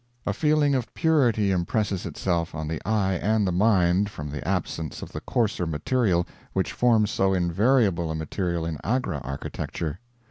A feeling of purity impresses itself on the eye and the mind from the absence of the coarser material which forms so invariable a material in Agra architecture.